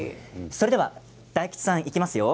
それでは大吉さん、いきますよ。